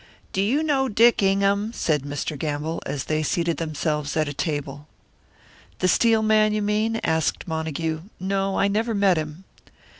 "Do you know Dick Ingham?" asked Mr. Gamble, as they seated themselves at a table. "The Steel man, you mean?" asked Montague. "No, I never met him."